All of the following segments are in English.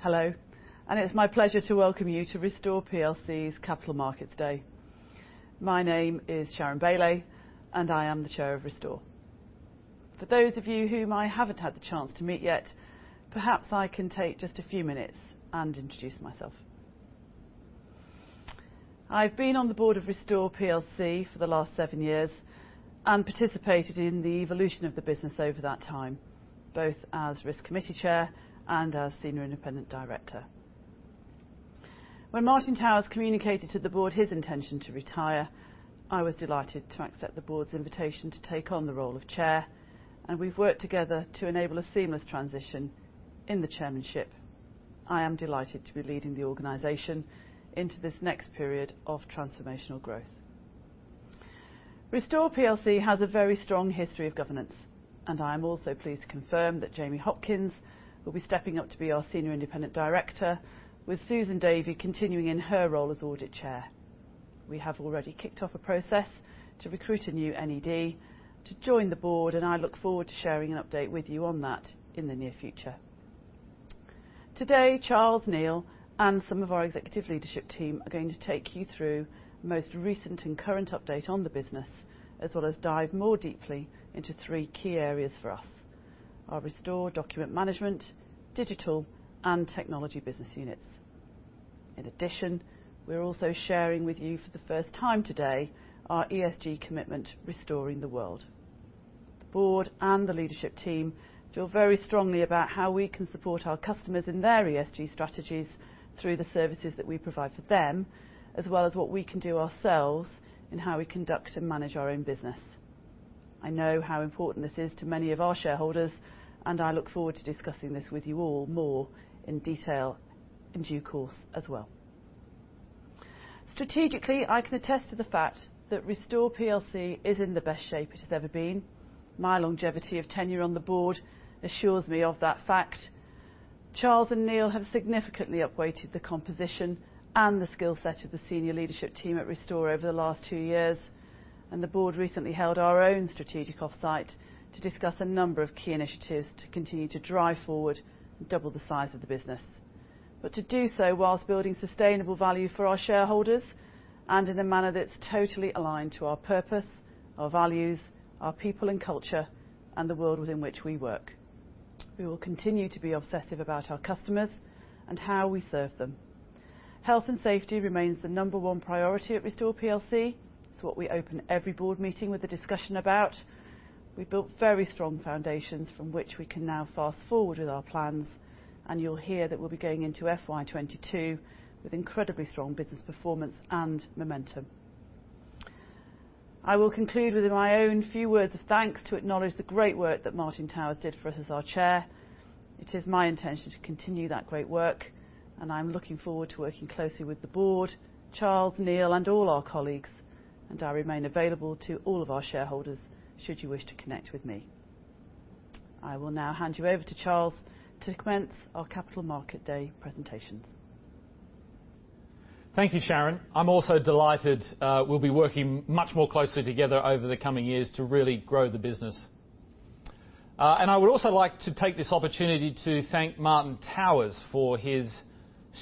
Hello, and it's my pleasure to welcome you to Restore plc's Capital Markets Day. My name is Sharon Baylay, and I am the Chair of Restore. For those of you whom I haven't had the chance to meet yet, perhaps I can take just a few minutes and introduce myself. I've been on the board of Restore plc for the last seven years and participated in the evolution of the business over that time, both as Risk Committee Chair and as Senior Independent Director. When Martin Towers communicated to the board his intention to retire, I was delighted to accept the board's invitation to take on the role of Chair, and we've worked together to enable a seamless transition in the chairmanship. I am delighted to be leading the organization into this next period of transformational growth. Restore plc has a very strong history of governance, and I am also pleased to confirm that Jamie Hopkins will be stepping up to be our Senior Independent Director, with Susan Davy continuing in her role as Audit Chair. We have already kicked off a process to recruit a new NED to join the board, and I look forward to sharing an update with you on that in the near future. Today, Charles and Neil Ritchie and some of our executive leadership team are going to take you through the most recent and current update on the business, as well as dive more deeply into three key areas for us, our Restore Document Management, Digital and Technology business units. In addition, we're also sharing with you for the first time today our ESG commitment, Restoring our World. The board and the leadership team feel very strongly about how we can support our customers in their ESG strategies through the services that we provide for them, as well as what we can do ourselves in how we conduct and manage our own business. I know how important this is to many of our shareholders, and I look forward to discussing this with you all more in detail in due course as well. Strategically, I can attest to the fact that Restore plc is in the best shape it has ever been. My longevity of tenure on the board assures me of that fact. Charles and Neil have significantly up-weighted the composition and the skill set of the senior leadership team at Restore over the last two years. The board recently held our own strategic offsite to discuss a number of key initiatives to continue to drive forward and double the size of the business. To do so while building sustainable value for our shareholders and in a manner that's totally aligned to our purpose, our values, our people and culture, and the world within which we work. We will continue to be obsessive about our customers and how we serve them. Health and safety remains the number one priority at Restore plc. It's what we open every board meeting with a discussion about. We've built very strong foundations from which we can now fast-forward with our plans, and you'll hear that we'll be going into FY 2022 with incredibly strong business performance and momentum. I will conclude with my own few words of thanks to acknowledge the great work that Martin Towers did for us as our chair. It is my intention to continue that great work, and I'm looking forward to working closely with the board, Charles, Neil, and all our colleagues, and I remain available to all of our shareholders should you wish to connect with me. I will now hand you over to Charles to commence our Capital Markets Day presentations. Thank you, Sharon. I'm also delighted we'll be working much more closely together over the coming years to really grow the business. I would also like to take this opportunity to thank Martin Towers for his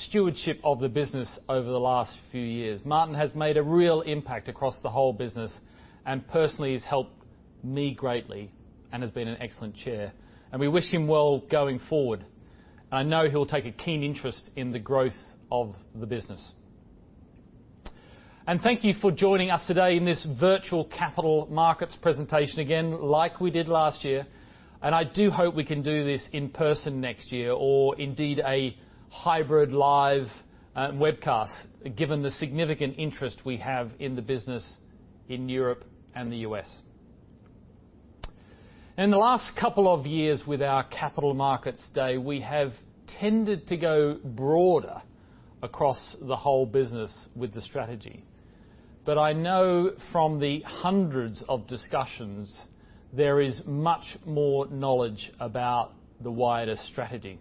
stewardship of the business over the last few years. Martin has made a real impact across the whole business, and personally has helped me greatly and has been an excellent chair, and we wish him well going forward. I know he'll take a keen interest in the growth of the business. Thank you for joining us today in this virtual capital markets presentation again, like we did last year. I do hope we can do this in person next year or indeed a hybrid live webcast, given the significant interest we have in the business in Europe and the U.S. In the last couple of years with our Capital Markets Day, we have tended to go broader across the whole business with the strategy. I know from the hundreds of discussions, there is much more knowledge about the wider strategy.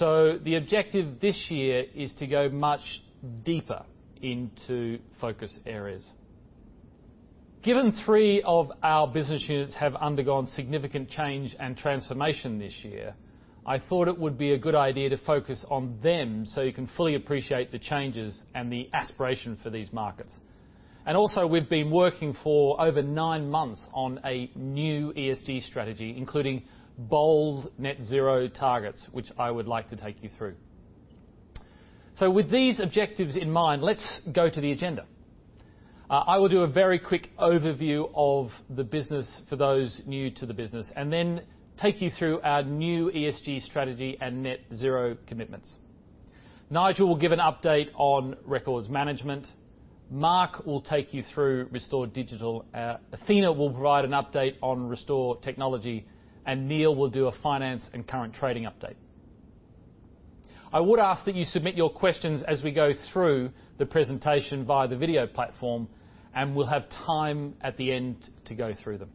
The objective this year is to go much deeper into focus areas. Given three of our business units have undergone significant change and transformation this year, I thought it would be a good idea to focus on them so you can fully appreciate the changes and the aspiration for these markets. We've been working for over nine months on a new ESG strategy, including bold net zero targets, which I would like to take you through. With these objectives in mind, let's go to the agenda. I will do a very quick overview of the business for those new to the business and then take you through our new ESG strategy and net zero commitments. Nigel will give an update on records management. Mark will take you through Restore Digital. Athena will provide an update on Restore Technology, and Neil will do a finance and current trading update. I would ask that you submit your questions as we go through the presentation via the video platform, and we'll have time at the end to go through them.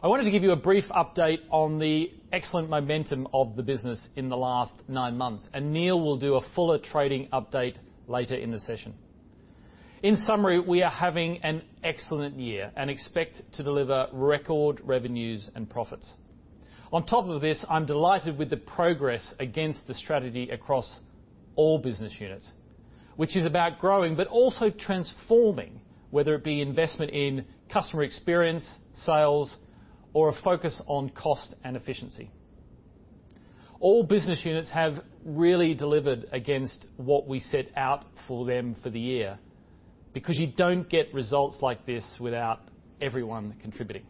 I wanted to give you a brief update on the excellent momentum of the business in the last nine months, and Neil will do a fuller trading update later in the session. In summary, we are having an excellent year and expect to deliver record revenues and profits. On top of this, I'm delighted with the progress against the strategy across all business units, which is about growing but also transforming, whether it be investment in customer experience, sales, or a focus on cost and efficiency. All business units have really delivered against what we set out for them for the year, because you don't get results like this without everyone contributing.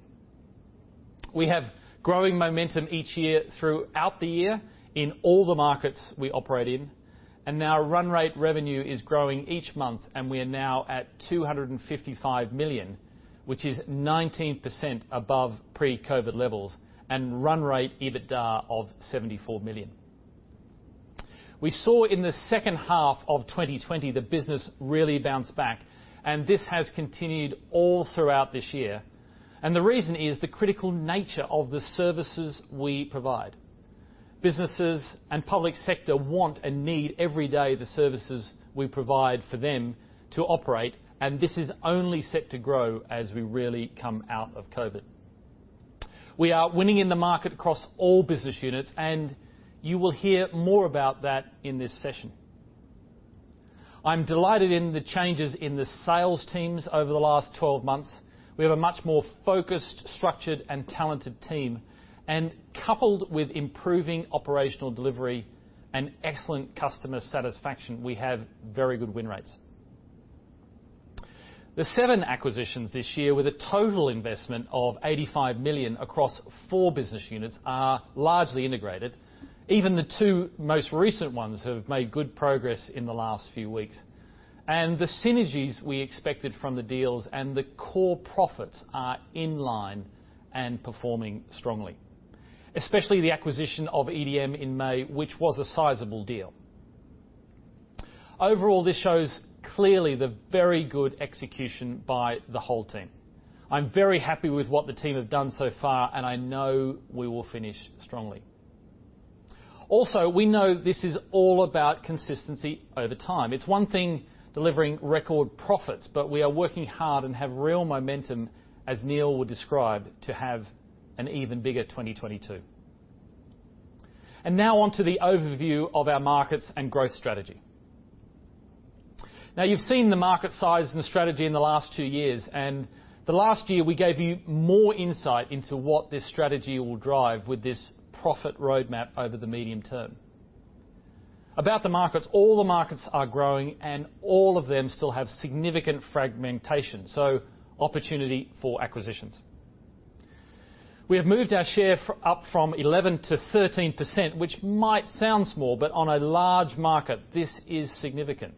We have growing momentum each year throughout the year in all the markets we operate in, and our run rate revenue is growing each month, and we are now at 255 million, which is 19% above pre-COVID levels and run rate EBITDA of 74 million. We saw in the second half of 2020 the business really bounce back, and this has continued all throughout this year. The reason is the critical nature of the services we provide. Businesses and public sector want and need every day the services we provide for them to operate, and this is only set to grow as we really come out of COVID. We are winning in the market across all business units, and you will hear more about that in this session. I'm delighted in the changes in the sales teams over the last 12 months. We have a much more focused, structured, and talented team, and coupled with improving operational delivery and excellent customer satisfaction, we have very good win rates. The 7 acquisitions this year with a total investment of 85 million across four business units are largely integrated. Even the two most recent ones have made good progress in the last few weeks. The synergies we expected from the deals and the core profits are in line and performing strongly, especially the acquisition of EDM in May, which was a sizable deal. Overall, this shows clearly the very good execution by the whole team. I'm very happy with what the team have done so far, and I know we will finish strongly. Also, we know this is all about consistency over time. It's one thing delivering record profits, but we are working hard and have real momentum, as Neil will describe, to have an even bigger 2022. Now on to the overview of our markets and growth strategy. Now you've seen the market size and the strategy in the last two years, and the last year we gave you more insight into what this strategy will drive with this profit roadmap over the medium term. About the markets, all the markets are growing, and all of them still have significant fragmentation, so opportunity for acquisitions. We have moved our share up from 11%-13%, which might sound small, but on a large market this is significant.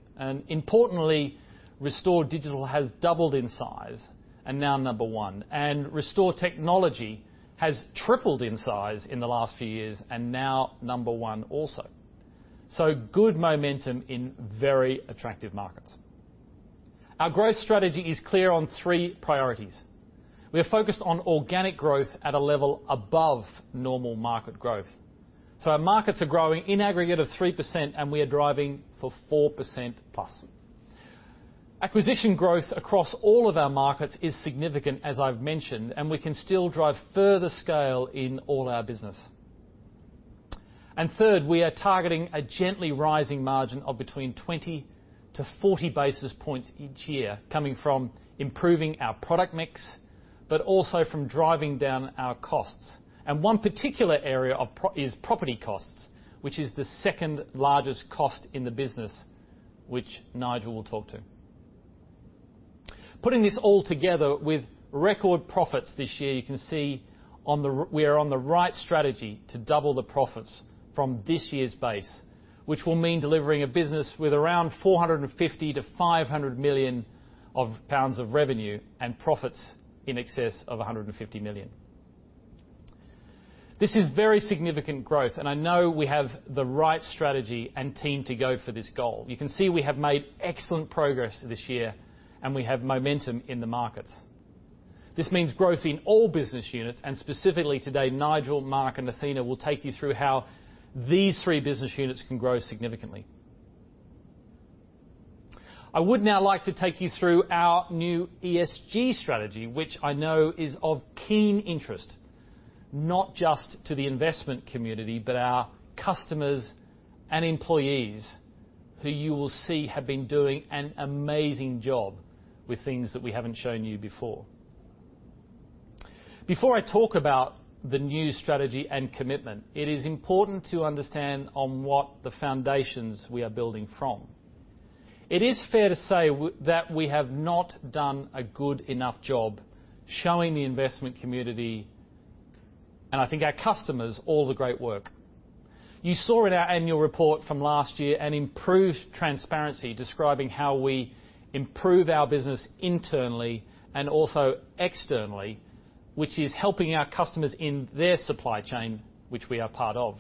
Importantly, Restore Digital has doubled in size and now number one, and Restore Technology has tripled in size in the last few years and now number one also. Good momentum in very attractive markets. Our growth strategy is clear on three priorities. We are focused on organic growth at a level above normal market growth. Our markets are growing in aggregate of 3%, and we are driving for 4%+. Acquisition growth across all of our markets is significant, as I've mentioned, and we can still drive further scale in all our business. Third, we are targeting a gently rising margin of between 20-40 basis points each year coming from improving our product mix, but also from driving down our costs. One particular area is property costs, which is the second largest cost in the business, which Nigel will talk to. Putting this all together with record profits this year, you can see we are on the right strategy to double the profits from this year's base, which will mean delivering a business with around 450 million-500 million pounds of revenue and profits in excess of 150 million. This is very significant growth, and I know we have the right strategy and team to go for this goal. You can see we have made excellent progress this year, and we have momentum in the markets. This means growth in all business units, and specifically today, Nigel, Mark, and Athena will take you through how these three business units can grow significantly. I would now like to take you through our new ESG strategy, which I know is of keen interest, not just to the investment community, but our customers and employees who you will see have been doing an amazing job with things that we haven't shown you before. Before I talk about the new strategy and commitment, it is important to understand on what the foundations we are building from. It is fair to say that we have not done a good enough job showing the investment community, and I think our customers, all the great work. You saw in our annual report from last year an improved transparency describing how we improve our business internally and also externally, which is helping our customers in their supply chain, which we are part of.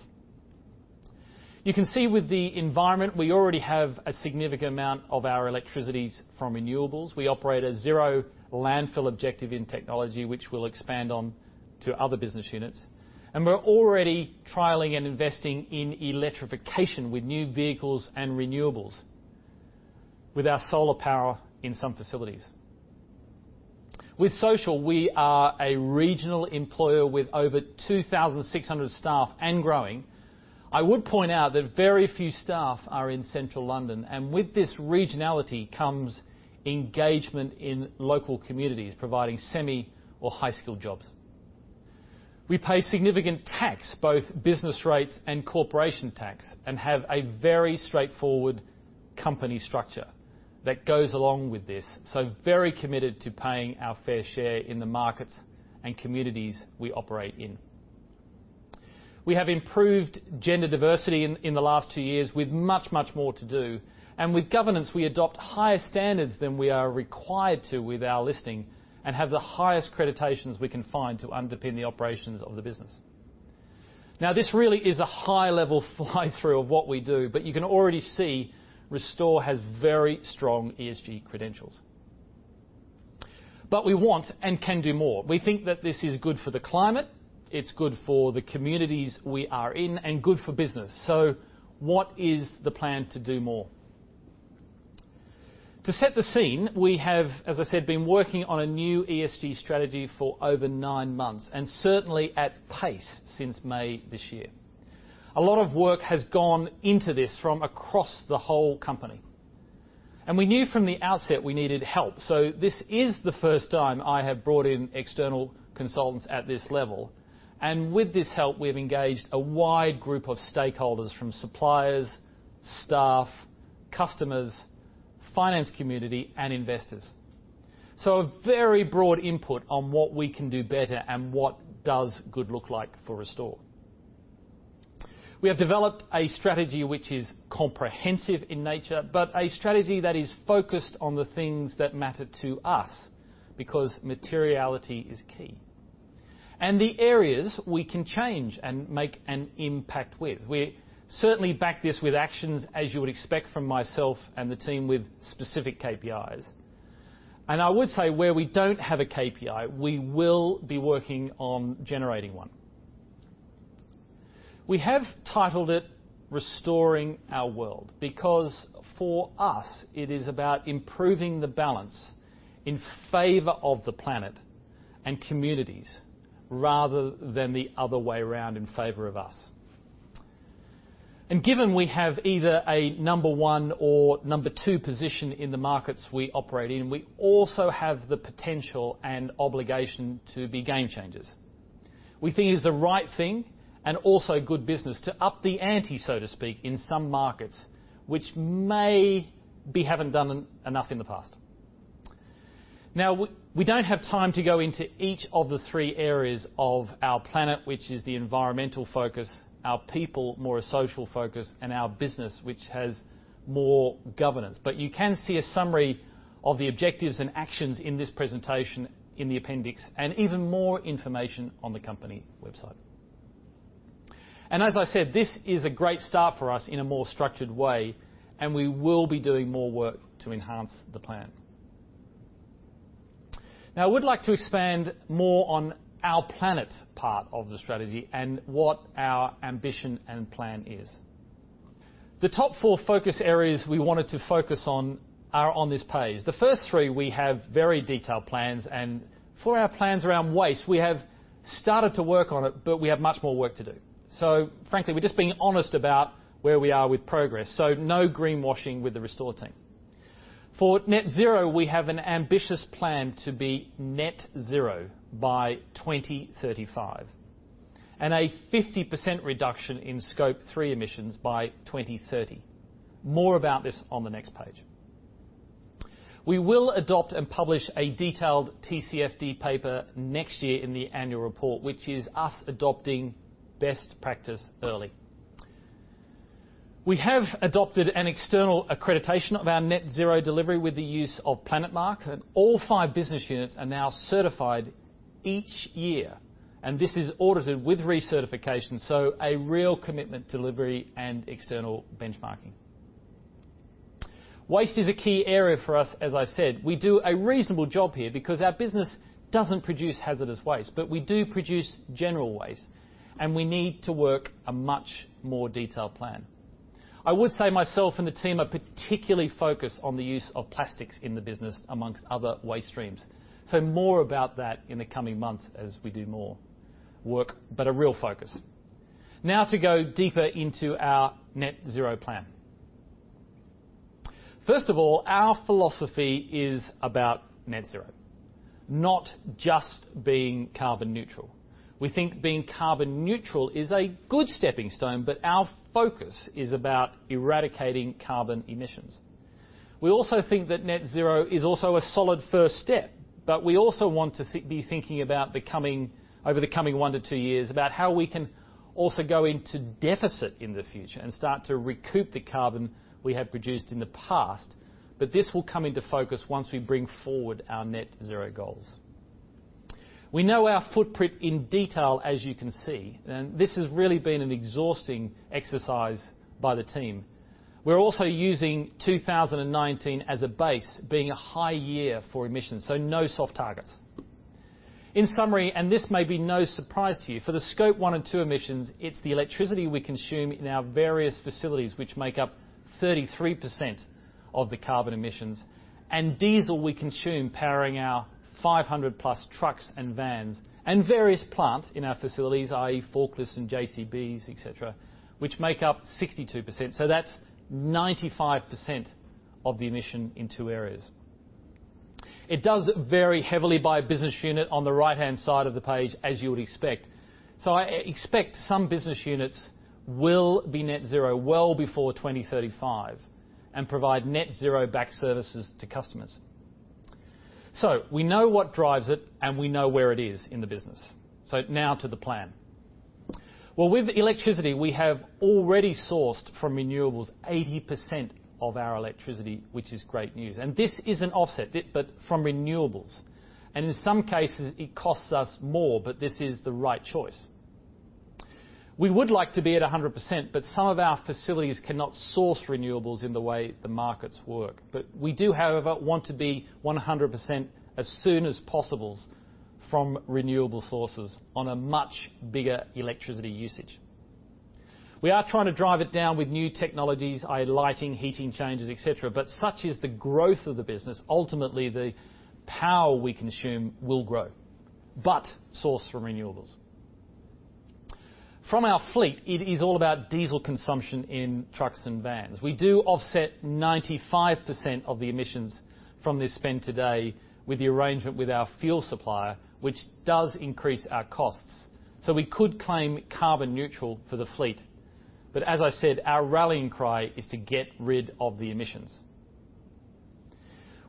You can see with the environment we already have a significant amount of our electricity is from renewables. We operate a zero landfill objective in technology, which we'll expand on to other business units. We're already trialing and investing in electrification with new vehicles and renewables with our solar power in some facilities. With social, we are a regional employer with over 2,600 staff and growing. I would point out that very few staff are in Central London, and with this regionality comes engagement in local communities, providing semi or high skill jobs. We pay significant tax, both business rates and corporation tax, and have a very straightforward company structure that goes along with this. Very committed to paying our fair share in the markets and communities we operate in. We have improved gender diversity in the last two years with much more to do. With governance, we adopt higher standards than we are required to with our listing and have the highest accreditations we can find to underpin the operations of the business. Now, this really is a high-level fly-through of what we do, but you can already see Restore has very strong ESG credentials. We want and can do more. We think that this is good for the climate, it's good for the communities we are in, and good for business. What is the plan to do more? To set the scene, we have, as I said, been working on a new ESG strategy for over nine months, and certainly at pace since May this year. A lot of work has gone into this from across the whole company. We knew from the outset we needed help, so this is the first time I have brought in external consultants at this level. With this help, we have engaged a wide group of stakeholders from suppliers, staff, customers, finance community, and investors. A very broad input on what we can do better and what does good look like for Restore. We have developed a strategy which is comprehensive in nature, but a strategy that is focused on the things that matter to us because materiality is key, the areas we can change and make an impact with. We certainly back this with actions, as you would expect from myself and the team with specific KPIs. I would say, where we don't have a KPI, we will be working on generating one. We have titled it Restoring our World because for us, it is about improving the balance in favor of the planet and communities rather than the other way around in favor of us. Given we have either a number 1 or number 2 position in the markets we operate in, we also have the potential and obligation to be game changers. We think it is the right thing and also good business to up the ante, so to speak, in some markets which may be haven't done enough in the past. Now, we don't have time to go into each of the three areas of our planet, which is the environmental focus, our people, more a social focus, and our business, which has more governance. You can see a summary of the objectives and actions in this presentation in the appendix, and even more information on the company website. As I said, this is a great start for us in a more structured way, and we will be doing more work to enhance the plan. Now, I would like to expand more on our planet part of the strategy and what our ambition and plan is. The top four focus areas we wanted to focus on are on this page. The first three, we have very detailed plans. For our plans around waste, we have started to work on it, but we have much more work to do. Frankly, we're just being honest about where we are with progress. No greenwashing with the Restore team. For net zero, we have an ambitious plan to be net zero by 2035, and a 50% reduction in Scope 3 emissions by 2030. More about this on the next page. We will adopt and publish a detailed TCFD paper next year in the annual report, which is us adopting best practice early. We have adopted an external accreditation of our net zero delivery with the use of Planet Mark. All five business units are now certified each year, and this is audited with recertification, so a real commitment to delivery and external benchmarking. Waste is a key area for us, as I said. We do a reasonable job here because our business doesn't produce hazardous waste, but we do produce general waste, and we need to work a much more detailed plan. I would say myself and the team are particularly focused on the use of plastics in the business among other waste streams. More about that in the coming months as we do more work, but a real focus. Now to go deeper into our net zero plan. First of all, our philosophy is about net zero, not just being carbon neutral. We think being carbon neutral is a good stepping stone, but our focus is about eradicating carbon emissions. We also think that net zero is also a solid first step, but we also want to be thinking over the coming 1-2 years about how we can also go into deficit in the future and start to recoup the carbon we have produced in the past. This will come into focus once we bring forward our net zero goals. We know our footprint in detail, as you can see, and this has really been an exhausting exercise by the team. We're also using 2019 as a base, being a high year for emissions, so no soft targets. In summary, this may be no surprise to you, for the Scope 1 and 2 emissions, it's the electricity we consume in our various facilities which make up 33% of the carbon emissions and diesel we consume powering our 500+ trucks and vans and various plants in our facilities, i.e., forklifts and JCBs, et cetera, which make up 62%. That's 95% of the emission in two areas. It does vary heavily by business unit on the right-hand side of the page, as you would expect. I expect some business units will be net zero well before 2035 and provide net zero back services to customers. We know what drives it, and we know where it is in the business. Now to the plan. Well, with electricity, we have already sourced from renewables 80% of our electricity, which is great news. This is an offset bit, but from renewables. In some cases, it costs us more, but this is the right choice. We would like to be at 100%, but some of our facilities cannot source renewables in the way the markets work. We do, however, want to be 100% as soon as possible from renewable sources on a much bigger electricity usage. We are trying to drive it down with new technologies, i.e., lighting, heating changes, et cetera, but such is the growth of the business. Ultimately, the power we consume will grow, but sourced from renewables. From our fleet, it is all about diesel consumption in trucks and vans. We do offset 95% of the emissions from this spend today with the arrangement with our fuel supplier, which does increase our costs. We could claim carbon neutral for the fleet. As I said, our rallying cry is to get rid of the emissions.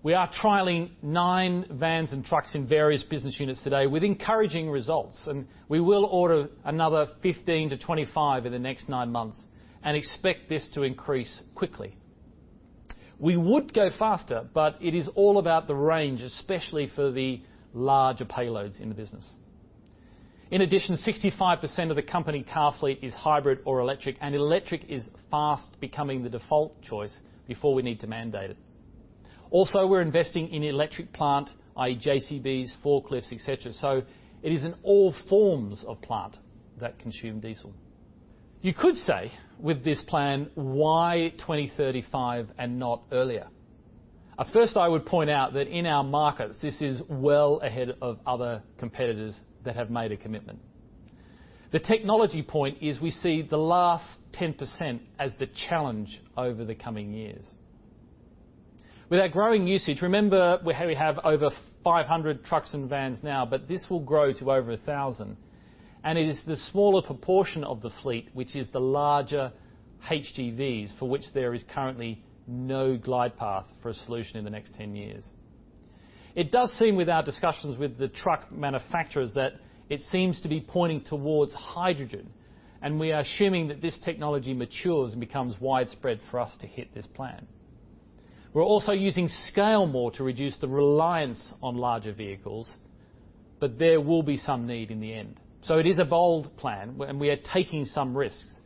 We are trialing 9 vans and trucks in various business units today with encouraging results, and we will order another 15-25 in the next 9 months and expect this to increase quickly. We would go faster, but it is all about the range, especially for the larger payloads in the business. In addition, 65% of the company car fleet is hybrid or electric, and electric is fast becoming the default choice before we need to mandate it. Also, we're investing in electric plant, i.e., JCBs, forklifts, et cetera, so it is in all forms of plant that consume diesel. You could say with this plan, why 2035 and not earlier? At first, I would point out that in our markets, this is well ahead of other competitors that have made a commitment. The technology point is we see the last 10% as the challenge over the coming years. With our growing usage, remember, we have over 500 trucks and vans now, but this will grow to over 1,000. It is the smaller proportion of the fleet, which is the larger HGVs, for which there is currently no glide path for a solution in the next 10 years. It does seem with our discussions with the truck manufacturers that it seems to be pointing towards hydrogen, and we are assuming that this technology matures and becomes widespread for us to hit this plan. We're also using scale more to reduce the reliance on larger vehicles, but there will be some need in the end. It is a bold plan and we are taking some risks,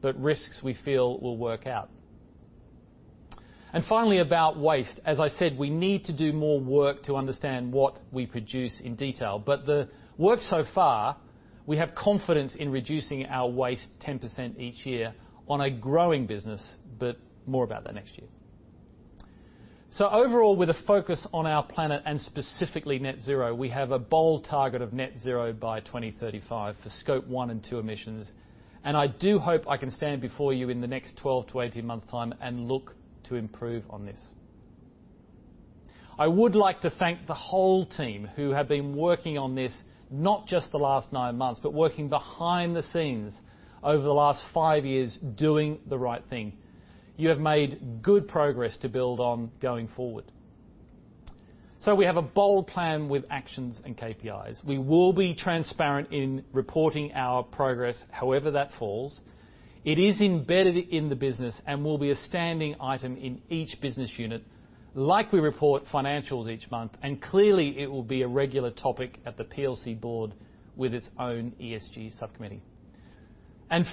but risks we feel will work out. Finally, about waste. As I said, we need to do more work to understand what we produce in detail. The work so far, we have confidence in reducing our waste 10% each year on a growing business, but more about that next year. Overall, with a focus on our planet and specifically net zero, we have a bold target of net zero by 2035 for Scope 1 and 2 emissions. I do hope I can stand before you in the next 12 to 18 months' time and look to improve on this. I would like to thank the whole team who have been working on this, not just the last nine months, but working behind the scenes over the last five years doing the right thing. You have made good progress to build on going forward. We have a bold plan with actions and KPIs. We will be transparent in reporting our progress however that falls. It is embedded in the business and will be a standing item in each business unit, like we report financials each month, and clearly it will be a regular topic at the PLC board with its own ESG subcommittee.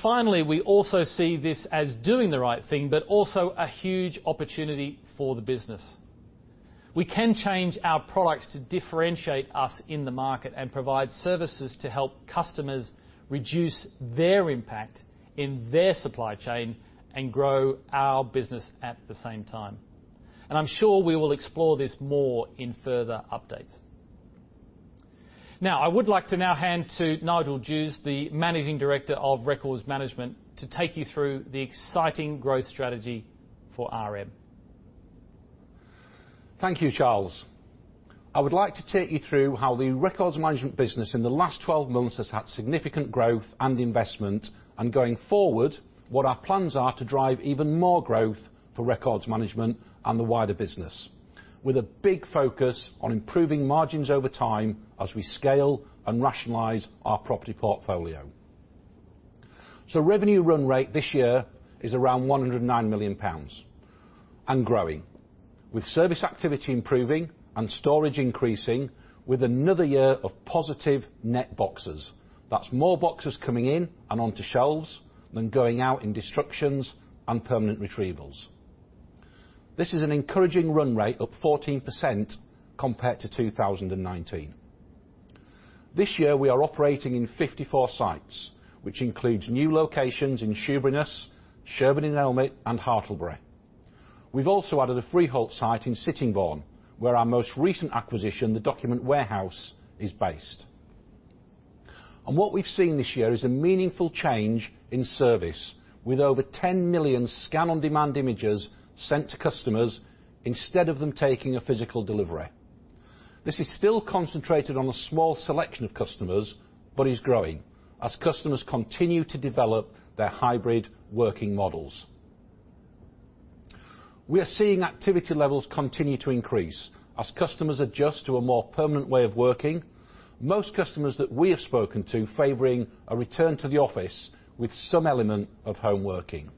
Finally, we also see this as doing the right thing, but also a huge opportunity for the business. We can change our products to differentiate us in the market and provide services to help customers reduce their impact in their supply chain and grow our business at the same time. I'm sure we will explore this more in further updates. Now, I would like to now hand to Nigel Dews, the Managing Director of Records Management, to take you through the exciting growth strategy for RM. Thank you, Charles. I would like to take you through how the Records Management business in the last 12 months has had significant growth and investment. Going forward, what our plans are to drive even more growth for Records Management and the wider business with a big focus on improving margins over time as we scale and rationalize our property portfolio. Revenue run rate this year is around 109 million pounds and growing with service activity improving and storage increasing with another year of positive net boxes. That's more boxes coming in and onto shelves than going out in destructions and permanent retrievals. This is an encouraging run rate up 14% compared to 2019. This year, we are operating in 54 sites, which includes new locations in Shoeburyness, Sherburn in Elmet, and Hartlebury. We've also added a freehold site in Sittingbourne, where our most recent acquisition, The Document Warehouse, is based. What we've seen this year is a meaningful change in service with over 10 million Scan-on-Demand images sent to customers instead of them taking a physical delivery. This is still concentrated on a small selection of customers, but is growing as customers continue to develop their hybrid working models. We are seeing activity levels continue to increase as customers adjust to a more permanent way of working. Most customers that we have spoken to are favoring a return to the office with some element of home working.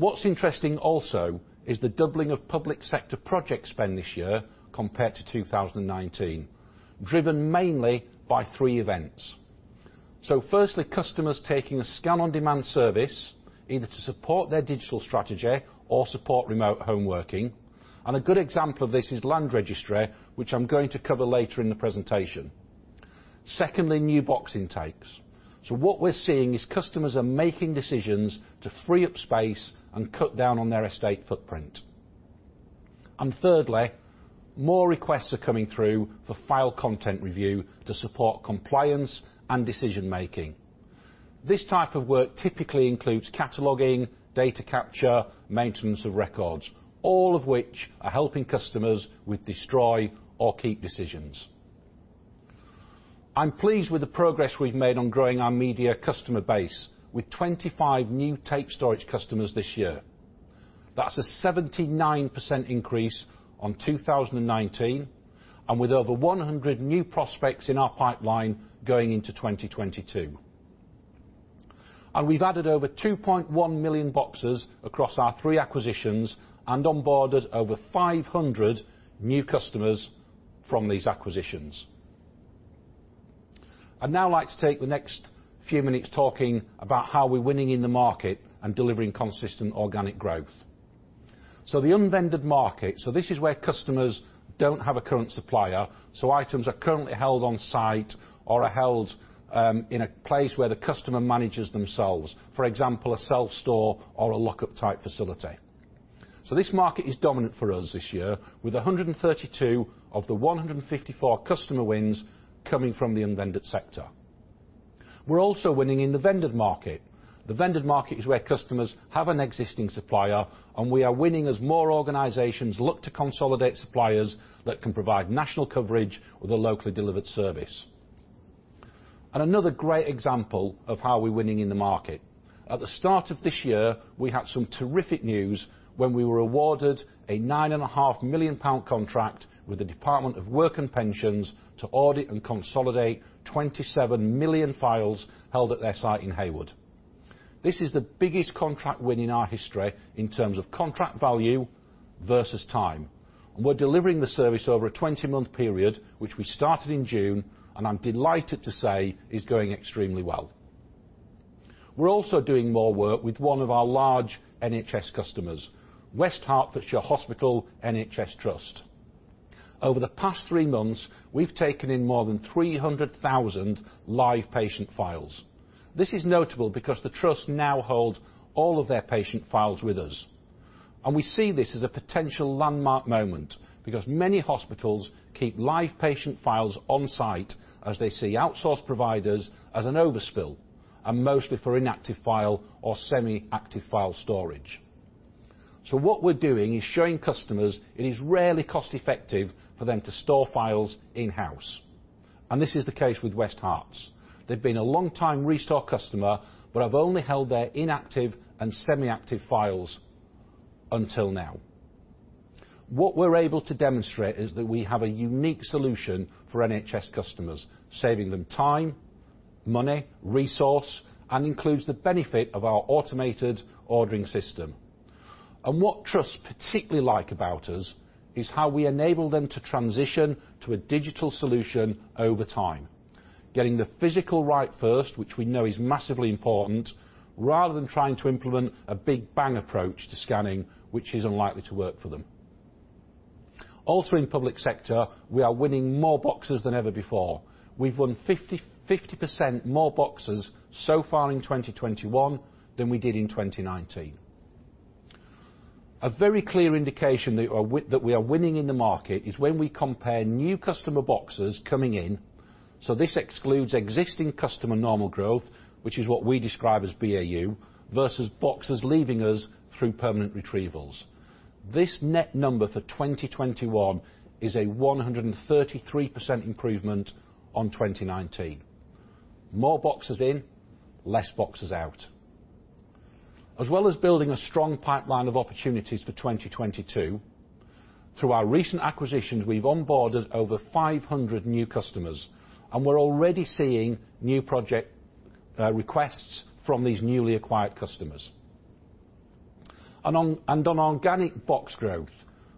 What's interesting also is the doubling of public sector project spend this year compared to 2019, driven mainly by three events. Firstly, customers taking a Scan-on-Demand service, either to support their digital strategy or support remote home working. A good example of this is Land Registry, which I'm going to cover later in the presentation. Secondly, new boxing types. What we're seeing is customers are making decisions to free up space and cut down on their estate footprint. Thirdly, more requests are coming through for file content review to support compliance and decision-making. This type of work typically includes cataloging, data capture, maintenance of records, all of which are helping customers with destroy or keep decisions. I'm pleased with the progress we've made on growing our media customer base with 25 new tape storage customers this year. That's a 79% increase on 2019, and with over 100 new prospects in our pipeline going into 2022. We've added over 2.1 million boxes across our three acquisitions and onboarded over 500 new customers from these acquisitions. I'd now like to take the next few minutes talking about how we're winning in the market and delivering consistent organic growth. The unvended market, this is where customers don't have a current supplier, items are currently held on-site or are held in a place where the customer manages themselves, for example, a self-store or a lockup-type facility. This market is dominant for us this year with 132 of the 154 customer wins coming from the unvended sector. We're also winning in the vended market. The vended market is where customers have an existing supplier, and we are winning as more organizations look to consolidate suppliers that can provide national coverage with a locally delivered service. Another great example of how we're winning in the market, at the start of this year, we had some terrific news when we were awarded a 9.5 million pound contract with the Department for Work and Pensions to audit and consolidate 27 million files held at their site in Heywood. This is the biggest contract win in our history in terms of contract value versus time. We're delivering the service over a 20-month period, which we started in June, and I'm delighted to say is going extremely well. We're also doing more work with one of our large NHS customers, West Hertfordshire Teaching Hospitals NHS Trust. Over the past three months, we've taken in more than 300,000 live patient files. This is notable because the trust now holds all of their patient files with us. We see this as a potential landmark moment because many hospitals keep live patient files on-site as they see outsource providers as an overspill, and mostly for inactive file or semi-active file storage. What we're doing is showing customers it is rarely cost-effective for them to store files in-house, and this is the case with West Herts. They've been a long time Restore customer but have only held their inactive and semi-active files until now. What we're able to demonstrate is that we have a unique solution for NHS customers, saving them time, money, resource, and includes the benefit of our automated ordering system. What trusts particularly like about us is how we enable them to transition to a digital solution over time, getting the physical right first, which we know is massively important, rather than trying to implement a big bang approach to scanning, which is unlikely to work for them. Also in public sector, we are winning more boxes than ever before. We've won 50% more boxes so far in 2021 than we did in 2019. A very clear indication that we are winning in the market is when we compare new customer boxes coming in, so this excludes existing customer normal growth, which is what we describe as BAU, versus boxes leaving us through permanent retrievals. This net number for 2021 is a 133% improvement on 2019. More boxes in, less boxes out. As well as building a strong pipeline of opportunities for 2022, through our recent acquisitions, we've onboarded over 500 new customers, and we're already seeing new project requests from these newly acquired customers. On organic box growth,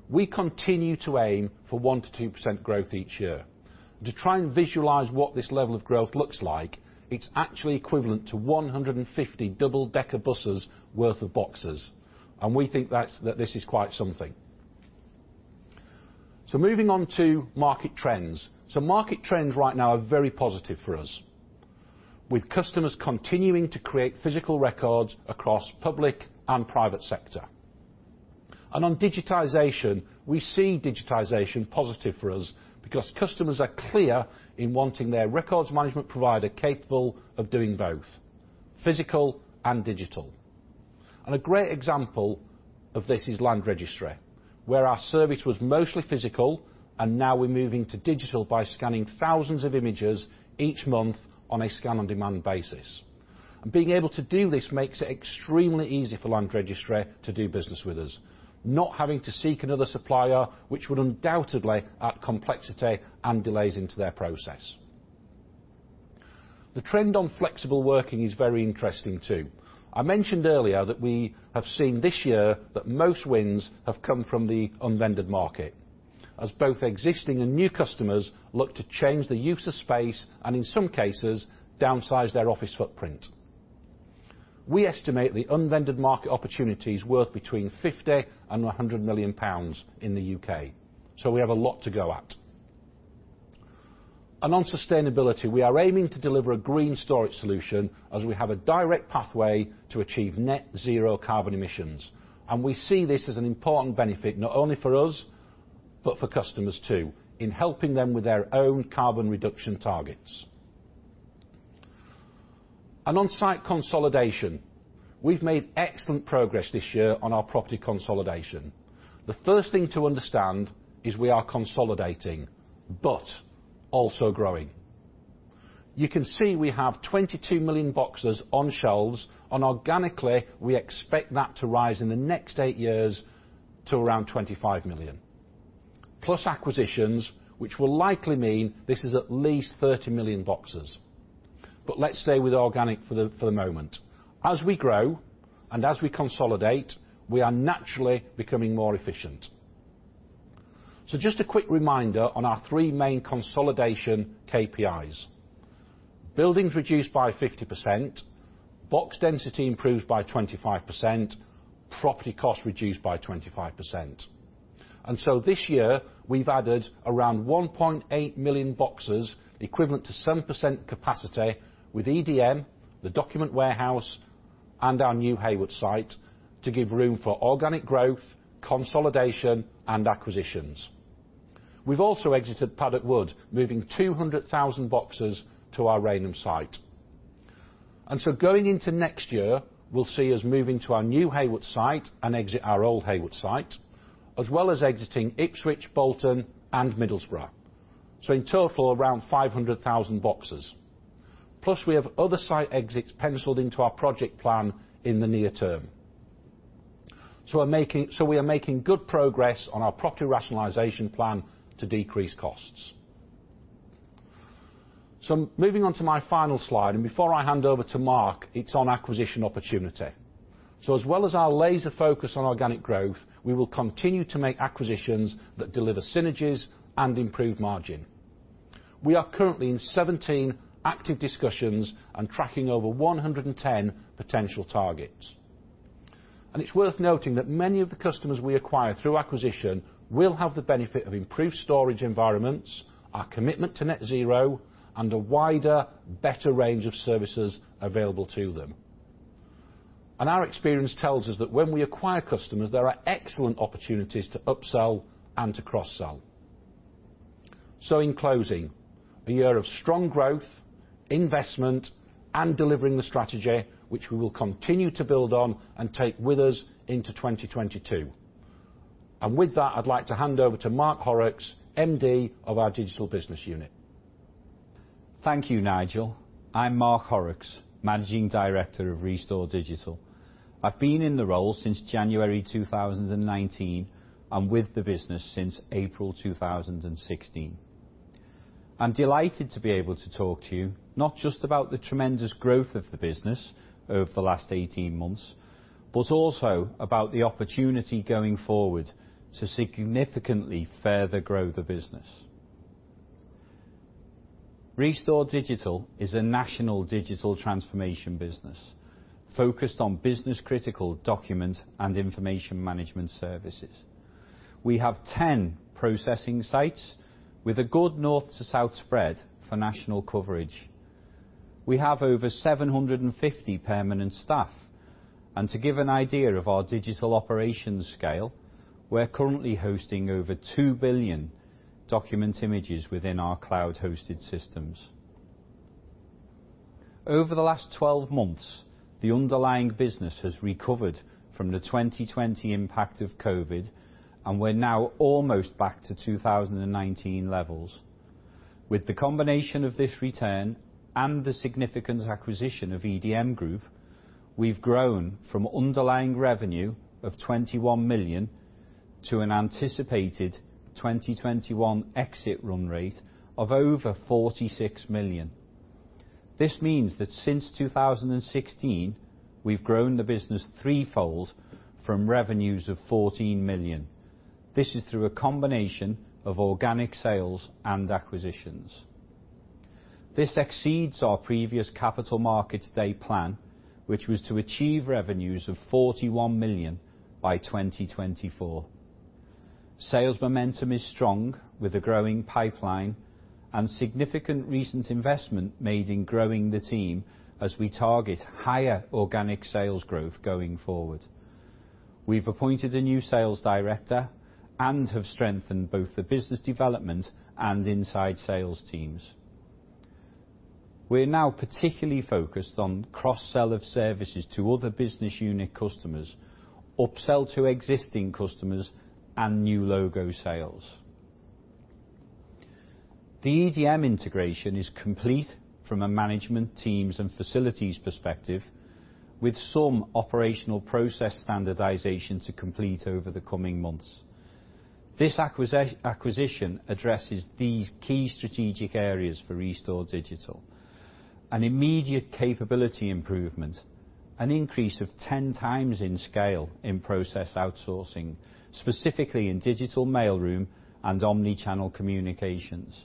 we continue to aim for 1%-2% growth each year. To try and visualize what this level of growth looks like, it's actually equivalent to 150 double-decker buses worth of boxes, and we think that this is quite something. Moving on to market trends. Market trends right now are very positive for us, with customers continuing to create physical records across public and private sector. On digitization, we see digitization positive for us because customers are clear in wanting their records management provider capable of doing both physical and digital. A great example of this is Land Registry, where our service was mostly physical and now we're moving to digital by scanning thousands of images each month on a Scan-on-Demand basis. Being able to do this makes it extremely easy for Land Registry to do business with us, not having to seek another supplier, which would undoubtedly add complexity and delays into their process. The trend on flexible working is very interesting too. I mentioned earlier that we have seen this year that most wins have come from the unvended market, as both existing and new customers look to change the use of space, and in some cases, downsize their office footprint. We estimate the unvended market opportunity is worth between 50 million and 100 million pounds in the U.K., so we have a lot to go at. On sustainability, we are aiming to deliver a green storage solution as we have a direct pathway to achieve net zero carbon emissions, and we see this as an important benefit not only for us, but for customers too, in helping them with their own carbon reduction targets. On site consolidation, we've made excellent progress this year on our property consolidation. The first thing to understand is we are consolidating but also growing. You can see we have 22 million boxes on shelves, and organically, we expect that to rise in the next 8 years to around 25 million. Plus acquisitions, which will likely mean this is at least 30 million boxes. But let's stay with organic for the moment. As we grow and as we consolidate, we are naturally becoming more efficient. Just a quick reminder on our 3 main consolidation KPIs. Buildings reduced by 50%, box density improved by 25%, property costs reduced by 25%. This year, we've added around 1.8 million boxes, equivalent to 7% capacity with EDM, The Document Warehouse and our new Heywood site to give room for organic growth, consolidation and acquisitions. We've also exited Paddock Wood, moving 200,000 boxes to our Rainham site. Going into next year will see us moving to our new Heywood site and exit our old Heywood site, as well as exiting Ipswich, Bolton and Middlesbrough. In total, around 500,000 boxes. Plus, we have other site exits penciled into our project plan in the near term. We are making good progress on our property rationalization plan to decrease costs. Moving on to my final slide, and before I hand over to Mark, it's on acquisition opportunity. As well as our laser focus on organic growth, we will continue to make acquisitions that deliver synergies and improve margin. We are currently in 17 active discussions and tracking over 110 potential targets. It's worth noting that many of the customers we acquire through acquisition will have the benefit of improved storage environments, our commitment to net zero, and a wider, better range of services available to them. Our experience tells us that when we acquire customers, there are excellent opportunities to upsell and to cross-sell. In closing, a year of strong growth, investment, and delivering the strategy which we will continue to build on and take with us into 2022. With that, I'd like to hand over to Mark Horrocks, MD of our digital business unit. Thank you, Nigel. I'm Mark Horrocks, Managing Director of Restore Digital. I've been in the role since January 2019, and with the business since April 2016. I'm delighted to be able to talk to you not just about the tremendous growth of the business over the last 18 months, but also about the opportunity going forward to significantly further grow the business. Restore Digital is a national digital transformation business focused on business-critical document and information management services. We have 10 processing sites with a good north to south spread for national coverage. We have over 750 permanent staff, and to give an idea of our digital operations scale, we're currently hosting over 2 billion document images within our cloud hosted systems. Over the last 12 months, the underlying business has recovered from the 2020 impact of COVID, and we're now almost back to 2019 levels. With the combination of this return and the significant acquisition of EDM Group, we've grown from underlying revenue of 21 million to an anticipated 2021 exit run rate of over 46 million. This means that since 2016, we've grown the business threefold from revenues of 14 million. This is through a combination of organic sales and acquisitions. This exceeds our previous Capital Markets Day plan, which was to achieve revenues of 41 million by 2024. Sales momentum is strong with a growing pipeline and significant recent investment made in growing the team as we target higher organic sales growth going forward. We've appointed a new sales director and have strengthened both the business development and inside sales teams. We're now particularly focused on cross-sell of services to other business unit customers, upsell to existing customers, and new logo sales. The EDM integration is complete from a management teams and facilities perspective, with some operational process standardization to complete over the coming months. This acquisition addresses these key strategic areas for Restore Digital, an immediate capability improvement, an increase of 10 times in scale in process outsourcing, specifically in Digital Mailroom and omnichannel communications,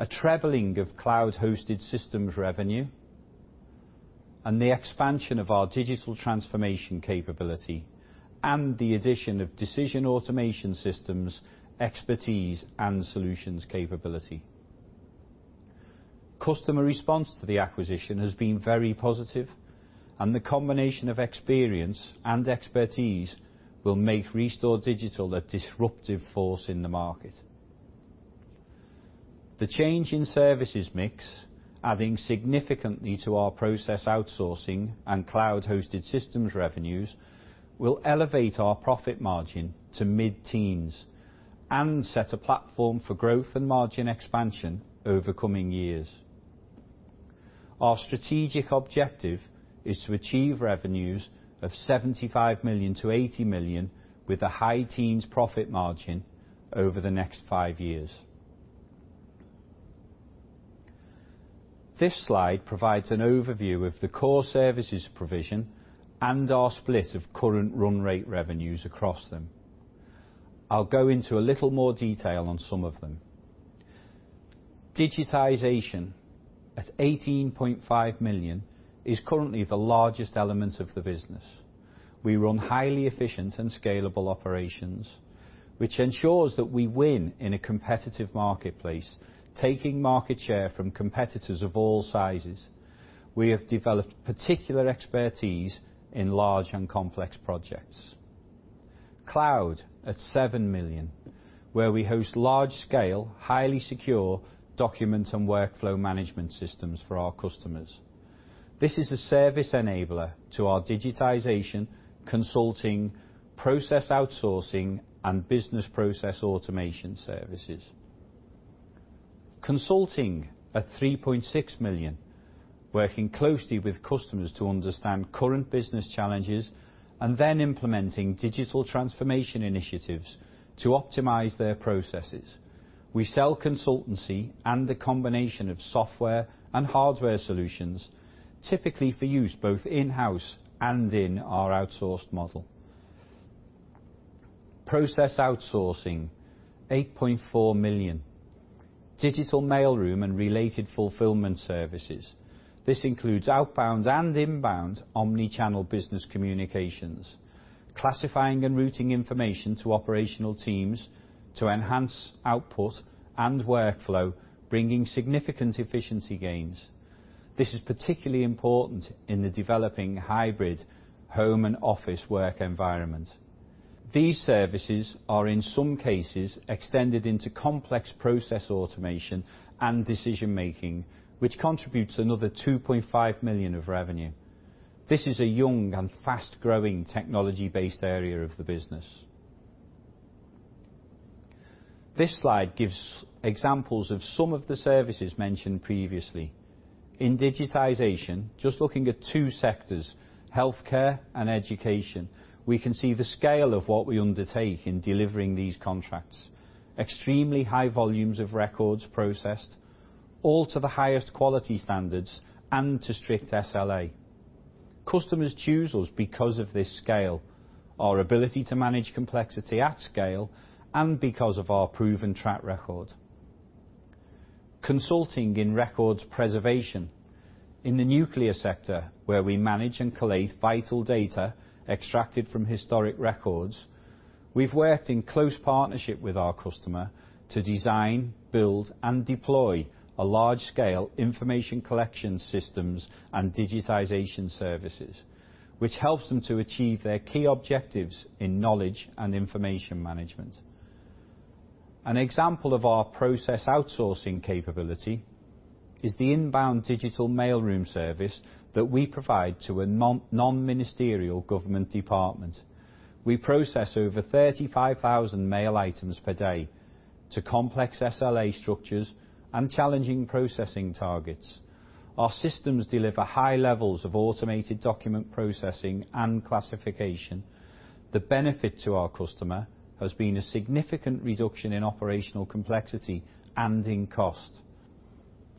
a trebling of cloud-hosted systems revenue, and the expansion of our digital transformation capability, and the addition of decision automation systems, expertise, and solutions capability. Customer response to the acquisition has been very positive, and the combination of experience and expertise will make Restore Digital a disruptive force in the market. The change in services mix, adding significantly to our process outsourcing and cloud-hosted systems revenues, will elevate our profit margin to mid-teens and set a platform for growth and margin expansion over coming years. Our strategic objective is to achieve revenues of 75 million-80 million with a high teens profit margin over the next five years. This slide provides an overview of the core services provision and our split of current run rate revenues across them. I'll go into a little more detail on some of them. Digitization at 18.5 million is currently the largest element of the business. We run highly efficient and scalable operations, which ensures that we win in a competitive marketplace, taking market share from competitors of all sizes. We have developed particular expertise in large and complex projects. Cloud at 7 million, where we host large-scale, highly secure document and workflow management systems for our customers. This is a service enabler to our digitization, consulting, process outsourcing, and business process automation services. Consulting at 3.6 million, working closely with customers to understand current business challenges and then implementing digital transformation initiatives to optimize their processes. We sell consultancy and a combination of software and hardware solutions, typically for use both in-house and in our outsourced model. Process outsourcing, 8.4 million. Digital Mailroom and related fulfillment services. This includes outbound and inbound omnichannel business communications, classifying and routing information to operational teams to enhance output and workflow, bringing significant efficiency gains. This is particularly important in the developing hybrid home and office work environment. These services are in some cases extended into complex process automation and decision-making, which contributes another 2.5 million of revenue. This is a young and fast-growing technology-based area of the business. This slide gives examples of some of the services mentioned previously. In digitization, just looking at two sectors, healthcare and education, we can see the scale of what we undertake in delivering these contracts. Extremely high volumes of records processed, all to the highest quality standards and to strict SLA. Customers choose us because of this scale, our ability to manage complexity at scale, and because of our proven track record. Consulting in records preservation. In the nuclear sector, where we manage and collate vital data extracted from historic records, we've worked in close partnership with our customer to design, build, and deploy a large-scale information collection systems and digitization services, which helps them to achieve their key objectives in knowledge and information management. An example of our process outsourcing capability is the inbound Digital Mailroom service that we provide to a non-ministerial government department. We process over 35,000 mail items per day to complex SLA structures and challenging processing targets. Our systems deliver high levels of automated document processing and classification. The benefit to our customer has been a significant reduction in operational complexity and in cost.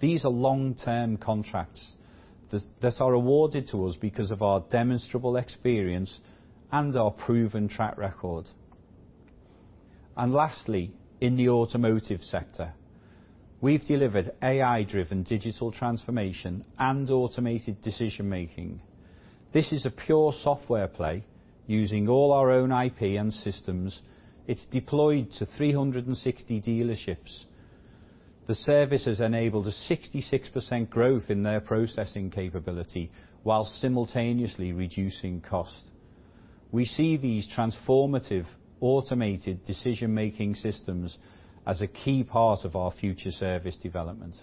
These are long-term contracts that are awarded to us because of our demonstrable experience and our proven track record. Lastly, in the automotive sector, we've delivered AI-driven digital transformation and automated decision-making. This is a pure software play using all our own IP and systems. It's deployed to 360 dealerships. The service has enabled a 66% growth in their processing capability while simultaneously reducing cost. We see these transformative automated decision-making systems as a key part of our future service development.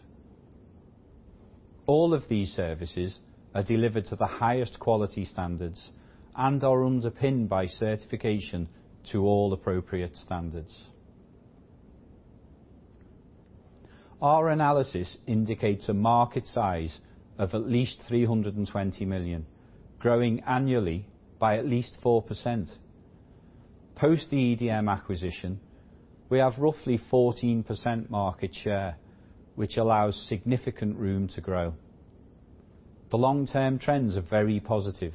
All of these services are delivered to the highest quality standards and are underpinned by certification to all appropriate standards. Our analysis indicates a market size of at least 320 million, growing annually by at least 4%. Post the EDM acquisition, we have roughly 14% market share, which allows significant room to grow. The long-term trends are very positive.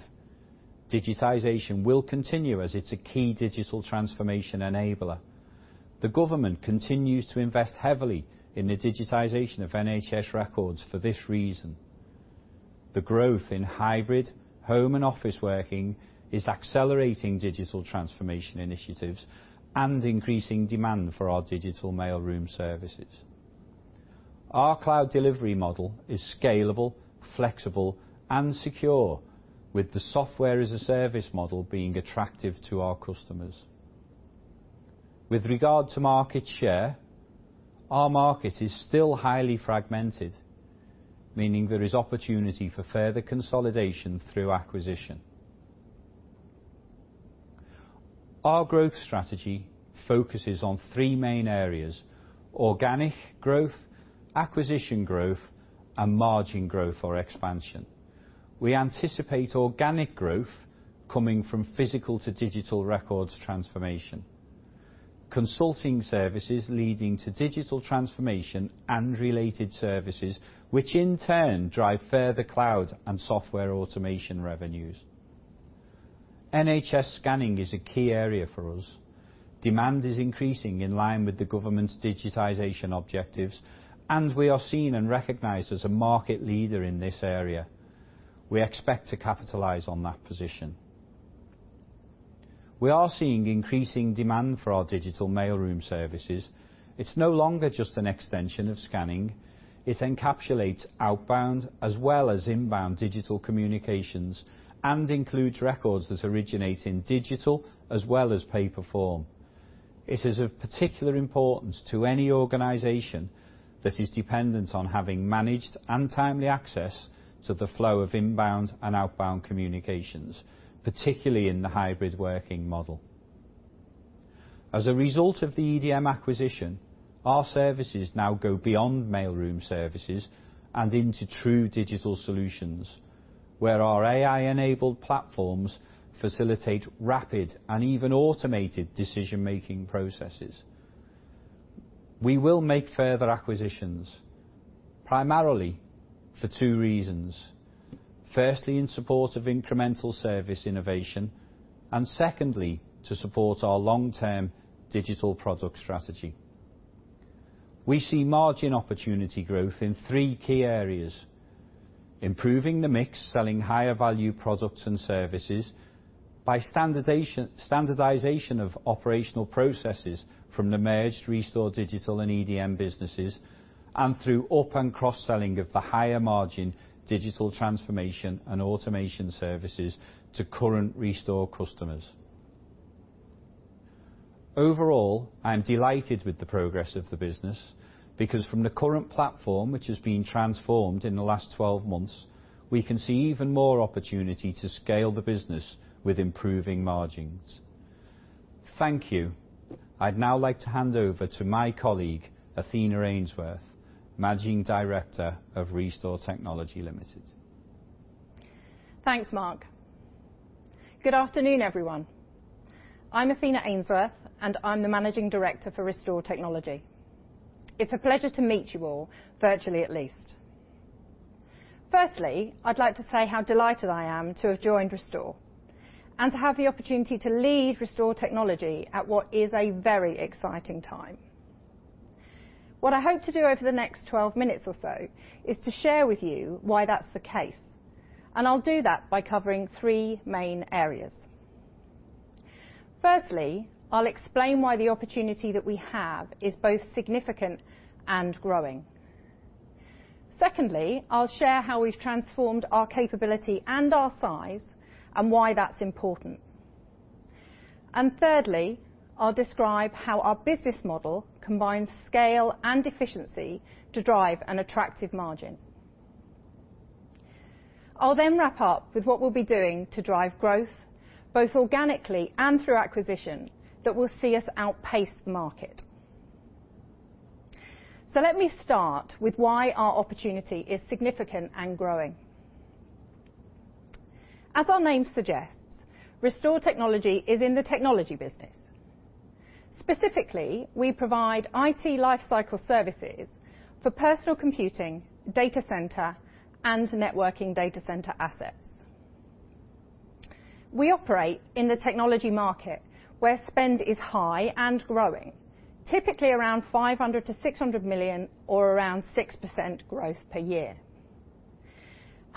Digitization will continue as it's a key digital transformation enabler. The government continues to invest heavily in the digitization of NHS records for this reason. The growth in hybrid, home and office working is accelerating digital transformation initiatives and increasing demand for our Digital Mailroom services. Our cloud delivery model is scalable, flexible, and secure, with the software-as-a-service model being attractive to our customers. With regard to market share, our market is still highly fragmented, meaning there is opportunity for further consolidation through acquisition. Our growth strategy focuses on three main areas, organic growth, acquisition growth, and margin growth or expansion. We anticipate organic growth coming from physical to digital records transformation, consulting services leading to digital transformation and related services, which in turn drive further cloud and software automation revenues. NHS scanning is a key area for us. Demand is increasing in line with the government's digitization objectives, and we are seen and recognized as a market leader in this area. We expect to capitalize on that position. We are seeing increasing demand for our Digital Mailroom services. It's no longer just an extension of scanning. It encapsulates outbound as well as inbound digital communications, and includes records that originate in digital as well as paper form. It is of particular importance to any organization that is dependent on having managed and timely access to the flow of inbound and outbound communications, particularly in the hybrid working model. As a result of the EDM acquisition, our services now go beyond mailroom services and into true digital solutions, where our AI-enabled platforms facilitate rapid and even automated decision-making processes. We will make further acquisitions primarily for two reasons. Firstly, in support of incremental service innovation and secondly, to support our long-term digital product strategy. We see margin opportunity growth in three key areas, improving the mix, selling higher value products and services by standardization of operational processes from the merged Restore Digital and EDM businesses, and through up and cross-selling of the higher margin digital transformation and automation services to current Restore customers. Overall, I am delighted with the progress of the business, because from the current platform which has been transformed in the last 12 months, we can see even more opportunity to scale the business with improving margins. Thank you. I'd now like to hand over to my colleague, Athena Ainsworth, Managing Director of Restore Technology Limited. Thanks, Mark. Good afternoon, everyone. I'm Athena Ainsworth, and I'm the Managing Director for Restore Technology. It's a pleasure to meet you all, virtually at least. Firstly, I'd like to say how delighted I am to have joined Restore and to have the opportunity to lead Restore Technology at what is a very exciting time. What I hope to do over the next 12 minutes or so is to share with you why that's the case, and I'll do that by covering three main areas. Firstly, I'll explain why the opportunity that we have is both significant and growing. Secondly, I'll share how we've transformed our capability and our size and why that's important. Thirdly, I'll describe how our business model combines scale and efficiency to drive an attractive margin. I'll then wrap up with what we'll be doing to drive growth, both organically and through acquisition, that will see us outpace the market. Let me start with why our opportunity is significant and growing. As our name suggests, Restore Technology is in the technology business. Specifically, we provide IT lifecycle services for personal computing, data center, and networking data center assets. We operate in the technology market, where spend is high and growing, typically around 500-600 million or around 6% growth per year.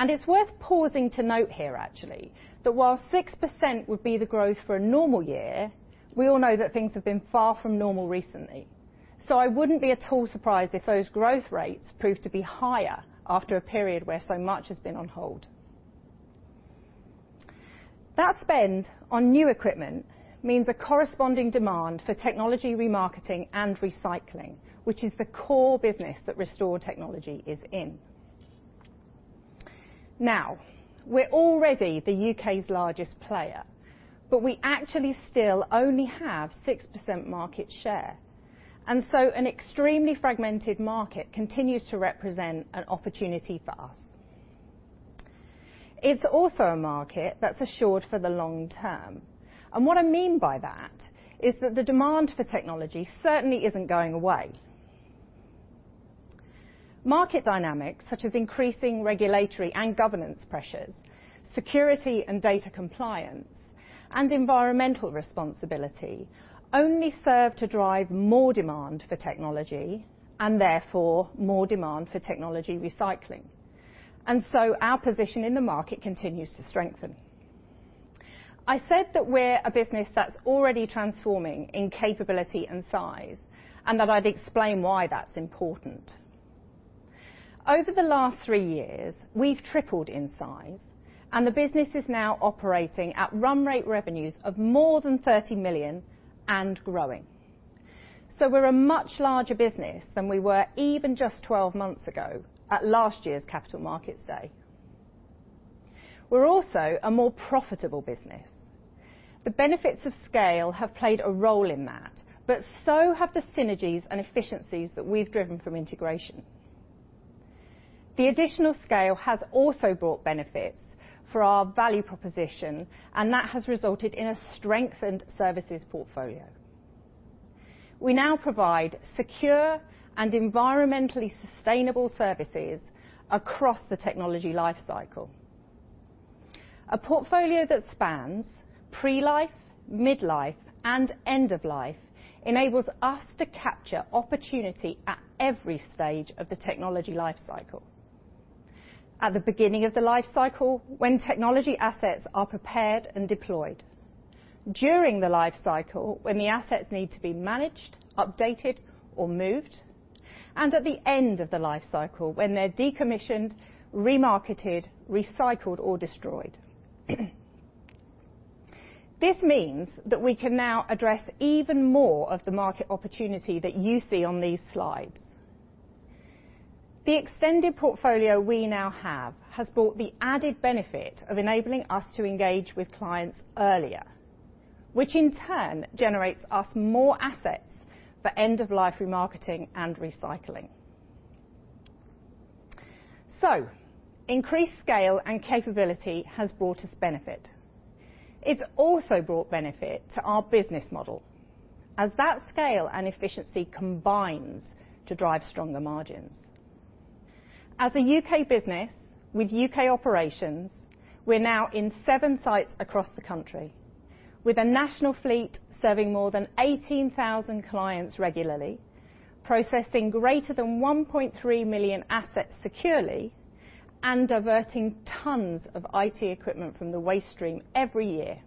It's worth pausing to note here actually, that while 6% would be the growth for a normal year, we all know that things have been far from normal recently. I wouldn't be at all surprised if those growth rates prove to be higher after a period where so much has been on hold. That spend on new equipment means a corresponding demand for technology remarketing and recycling, which is the core business that Restore Technology is in. Now, we're already the U.K.'s largest player, but we actually still only have 6% market share, and so an extremely fragmented market continues to represent an opportunity for us. It's also a market that's assured for the long term, and what I mean by that is that the demand for technology certainly isn't going away. Market dynamics, such as increasing regulatory and governance pressures, security and data compliance, and environmental responsibility only serve to drive more demand for technology and therefore more demand for technology recycling. Our position in the market continues to strengthen. I said that we're a business that's already transforming in capability and size, and that I'd explain why that's important. Over the last 3 years, we've tripled in size, and the business is now operating at run rate revenues of more than 30 million and growing. We're a much larger business than we were even just 12 months ago at last year's Capital Markets Day. We're also a more profitable business. The benefits of scale have played a role in that, but so have the synergies and efficiencies that we've driven from integration. The additional scale has also brought benefits for our value proposition, and that has resulted in a strengthened services portfolio. We now provide secure and environmentally sustainable services across the technology lifecycle. A portfolio that spans pre-life, mid-life, and end-of-life enables us to capture opportunity at every stage of the technology lifecycle, at the beginning of the lifecycle when technology assets are prepared and deployed, during the lifecycle when the assets need to be managed, updated, or moved, and at the end of the lifecycle when they're decommissioned, remarketed, recycled, or destroyed. This means that we can now address even more of the market opportunity that you see on these slides. The extended portfolio we now have has brought the added benefit of enabling us to engage with clients earlier, which in turn generates us more assets for end-of-life remarketing and recycling. Increased scale and capability has brought us benefit. It's also brought benefit to our business model as that scale and efficiency combines to drive stronger margins. As a U.K. business with U.K. operations, we're now in 7 sites across the country with a national fleet serving more than 18,000 clients regularly, processing greater than 1.3 million assets securely, and diverting tons of IT equipment from the waste stream every year.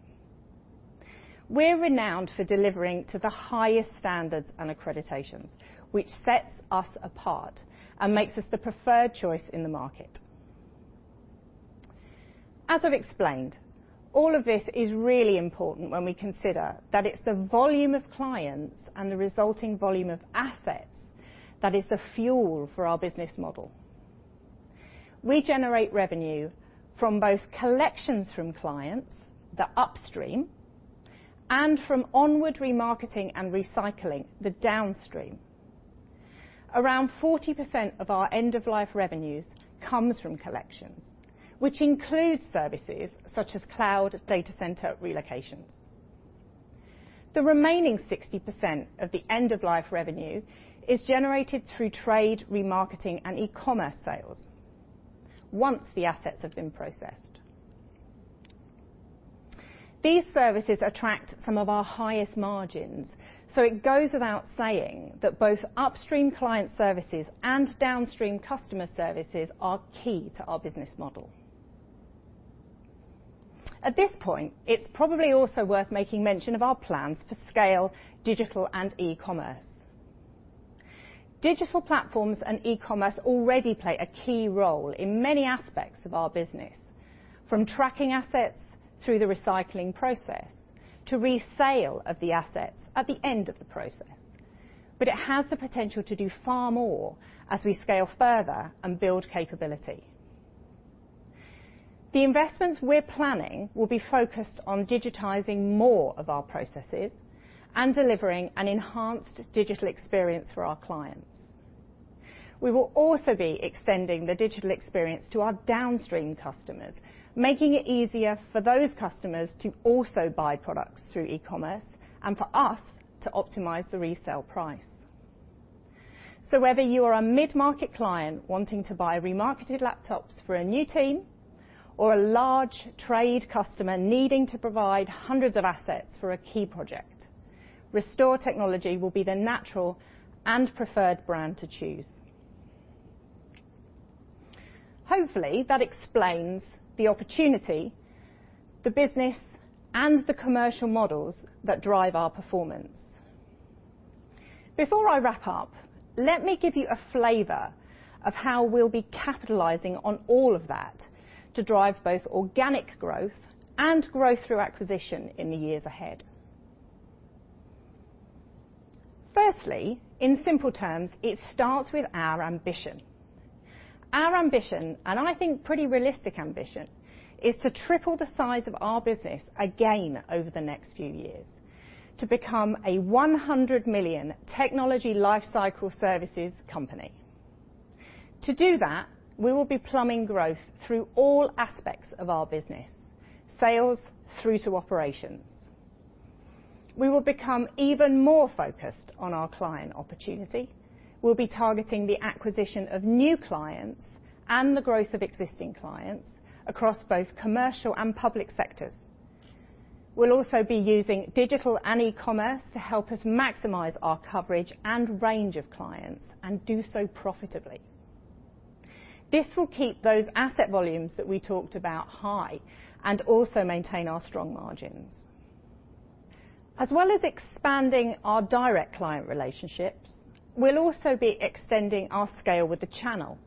We're renowned for delivering to the highest standards and accreditations, which sets us apart and makes us the preferred choice in the market. As I've explained, all of this is really important when we consider that it's the volume of clients and the resulting volume of assets that is the fuel for our business model. We generate revenue from both collections from clients, the upstream, and from onward remarketing and recycling, the downstream. Around 40% of our end-of-life revenues comes from collections, which includes services such as cloud data center relocations. The remaining 60% of the end-of-life revenue is generated through trade, remarketing, and e-commerce sales once the assets have been processed. These services attract some of our highest margins, so it goes without saying that both upstream client services and downstream customer services are key to our business model. At this point, it's probably also worth making mention of our plans for scale, digital, and e-commerce. Digital platforms and e-commerce already play a key role in many aspects of our business, from tracking assets through the recycling process to resale of the assets at the end of the process. It has the potential to do far more as we scale further and build capability. The investments we're planning will be focused on digitizing more of our processes and delivering an enhanced digital experience for our clients. We will also be extending the digital experience to our downstream customers, making it easier for those customers to also buy products through e-commerce and for us to optimize the resale price. Whether you're a mid-market client wanting to buy remarketed laptops for a new team, or a large trade customer needing to provide hundreds of assets for a key project, Restore Technology will be the natural and preferred brand to choose. Hopefully, that explains the opportunity, the business, and the commercial models that drive our performance. Before I wrap up, let me give you a flavor of how we'll be capitalizing on all of that to drive both organic growth and growth through acquisition in the years ahead. Firstly, in simple terms, it starts with our ambition. Our ambition, and I think pretty realistic ambition, is to triple the size of our business again over the next few years to become a 100 million technology lifecycle services company. To do that, we will be pumping growth through all aspects of our business, sales through to operations. We will become even more focused on our client opportunity. We'll be targeting the acquisition of new clients and the growth of existing clients across both commercial and public sectors. We'll also be using digital and e-commerce to help us maximize our coverage and range of clients and do so profitably. This will keep those asset volumes that we talked about high and also maintain our strong margins. As well as expanding our direct client relationships, we'll also be extending our scale with the channel.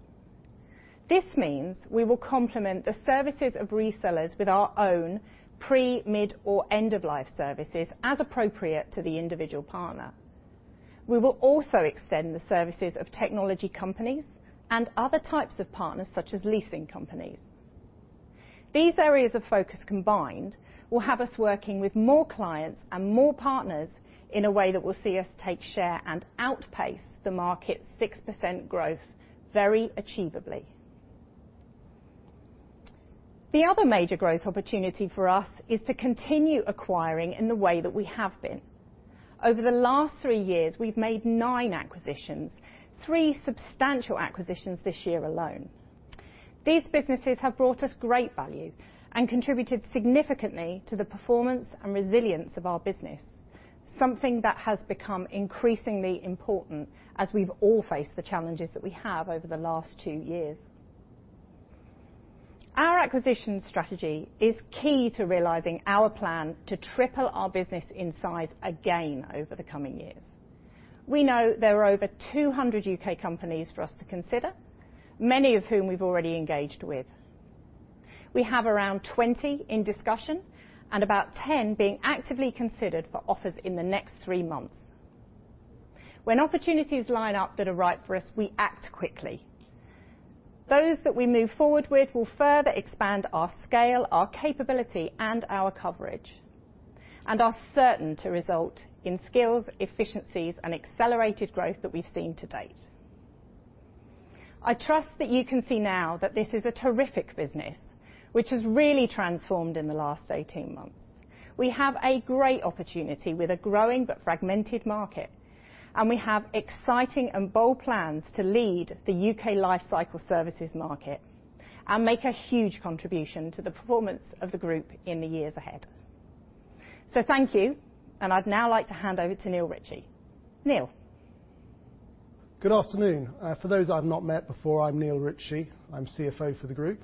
This means we will complement the services of resellers with our own pre, mid, or end-of-life services as appropriate to the individual partner. We will also extend the services of technology companies and other types of partners such as leasing companies. These areas of focus combined will have us working with more clients and more partners in a way that will see us take share and outpace the market's 6% growth very achievably. The other major growth opportunity for us is to continue acquiring in the way that we have been. Over the last three years, we've made nine acquisitions, three substantial acquisitions this year alone. These businesses have brought us great value and contributed significantly to the performance and resilience of our business. Something that has become increasingly important as we've all faced the challenges that we have over the last two years. Our acquisition strategy is key to realizing our plan to triple our business in size again over the coming years. We know there are over 200 U.K. companies for us to consider, many of whom we've already engaged with. We have around 20 in discussion and about 10 being actively considered for offers in the next 3 months. When opportunities line up that are right for us, we act quickly. Those that we move forward with will further expand our scale, our capability, and our coverage, and are certain to result in skills, efficiencies, and accelerated growth that we've seen to date. I trust that you can see now that this is a terrific business which has really transformed in the last 18 months. We have a great opportunity with a growing but fragmented market, and we have exciting and bold plans to lead the U.K. lifecycle services market and make a huge contribution to the performance of the group in the years ahead. Thank you, and I'd now like to hand over to Neil Ritchie. Neil? Good afternoon. For those I've not met before, I'm Neil Ritchie. I'm CFO for the group.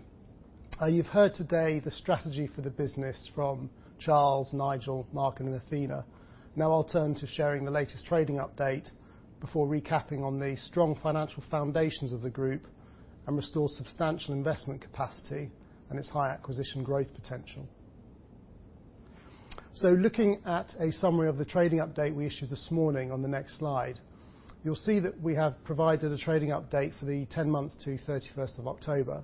You've heard today the strategy for the business from Charles, Nigel, Mark, and Athena. Now I'll turn to sharing the latest trading update before recapping on the strong financial foundations of the group and Restore's substantial investment capacity and its high acquisition growth potential. Looking at a summary of the trading update we issued this morning on the next slide, you'll see that we have provided a trading update for the 10 months to 31st of October.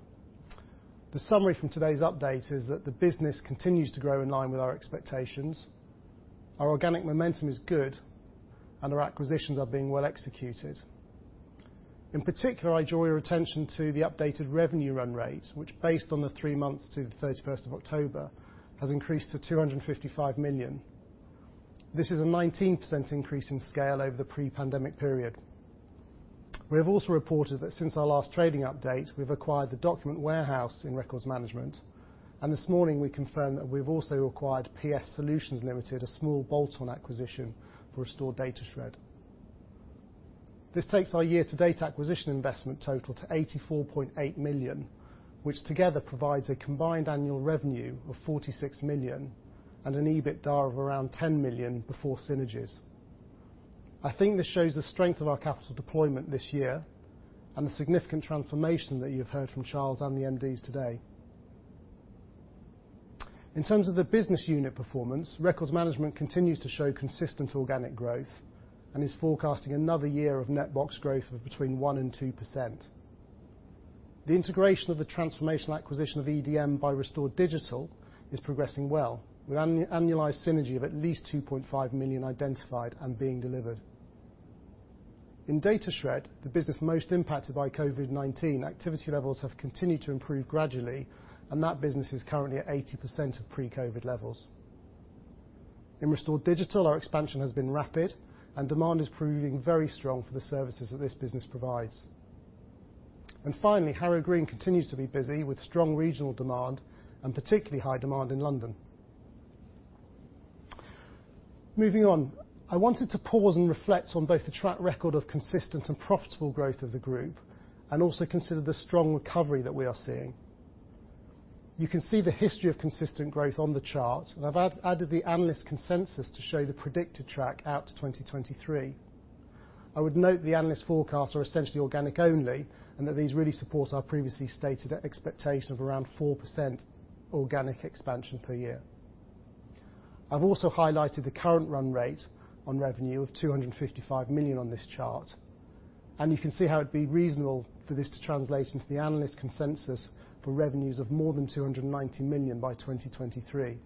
The summary from today's update is that the business continues to grow in line with our expectations. Our organic momentum is good, and our acquisitions are being well executed. In particular, I draw your attention to the updated revenue run rate, which, based on the three months to the thirty-first of October, has increased to 255 million. This is a 19% increase in scale over the pre-pandemic period. We have also reported that since our last trading update, we've acquired The Document Warehouse in Records Management, and this morning we confirmed that we've also acquired PHS Data Solutions Limited, a small bolt-on acquisition for Restore Datashred. This takes our year-to-date acquisition investment total to 84.8 million, which together provides a combined annual revenue of 46 million and an EBITDA of around 10 million before synergies. I think this shows the strength of our capital deployment this year and the significant transformation that you have heard from Charles and the MDs today. In terms of the business unit performance, Records Management continues to show consistent organic growth and is forecasting another year of net box growth of between 1% and 2%. The integration of the transformational acquisition of EDM by Restore Digital is progressing well, with an annualized synergy of at least 2.5 million identified and being delivered. In Datashred, the business most impacted by COVID-19, activity levels have continued to improve gradually, and that business is currently at 80% of pre-COVID levels. In Restore Digital, our expansion has been rapid, and demand is proving very strong for the services that this business provides. Finally, Harrow Green continues to be busy with strong regional demand, and particularly high demand in London. Moving on, I wanted to pause and reflect on both the track record of consistent and profitable growth of the group, and also consider the strong recovery that we are seeing. You can see the history of consistent growth on the chart, and I've added the analyst consensus to show the predicted track out to 2023. I would note the analyst forecasts are essentially organic only, and that these really support our previously stated expectation of around 4% organic expansion per year. I've also highlighted the current run rate on revenue of 255 million on this chart, and you can see how it'd be reasonable for this to translate into the analyst consensus for revenues of more than 290 million by 2023.